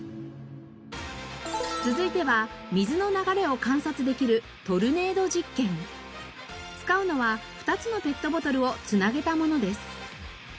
続いては水の流れを観察できる使うのは２つのペットボトルを繋げたものです。